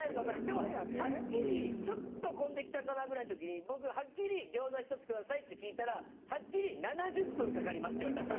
でもはっきりちょっと混んできたかなぐらいの時に僕はっきり「餃子１つください」って聞いたらはっきり「７０分かかります」って言われたんですよ。